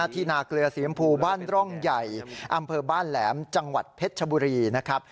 ที่นาเกลือสียมพูบ้านร่องใหญ่อำเภอบ้านแหลมจังหวัดเพชรชบุรีนะครับ